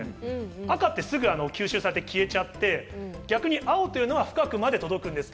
赤ってすぐ吸収されて消えちゃって、逆に青というのは深くまで届く。